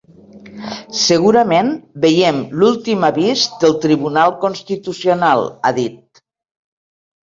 Segurament veiem l’últim avís del Tribunal Constitucional, ha dit.